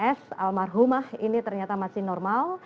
s almarhumah ini ternyata masih normal